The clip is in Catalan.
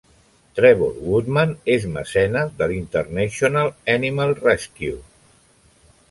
Trevor Woodman és mecenes de l'International Animal Rescue.